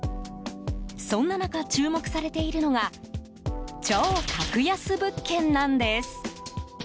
そんな中、注目されているのが超格安物件なんです。